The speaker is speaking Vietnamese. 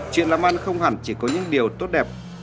chuyện làm ăn không hẳn chỉ có những điều tốt đẹp